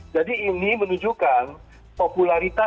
jadi ini menunjukkan